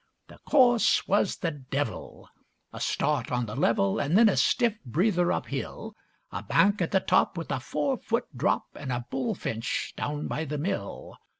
The course was the devil! A start on the level, And then a stiff breather uphill; A bank at the top with a four foot drop, And a bullfinch down by the mill.